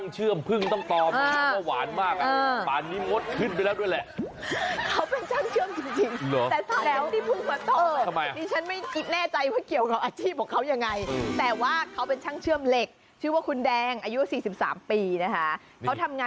เชื่อมคุณพี่เขาเป็นช่างเชื่อมจริง